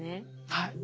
はい。